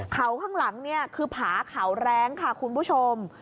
เขาข้างหลังเนี่ยคือผาเขาแรงค่ะคุณผู้ชม